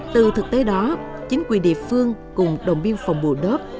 từ thực tế đó chính quyền địa phương cùng đồng biên phòng bù đớp